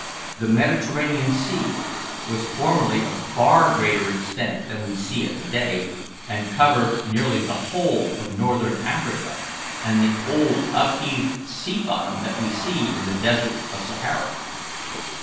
The Mediterranean Sea was formerly of far greater extent than we see it to day, and covered nearly the whole of northern Africa and the old upheaved sea bottom that we see in the Desert of Sahara.